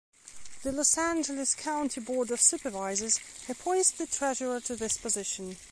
The Los Angeles County Board of Supervisors appoints the treasurer to this position.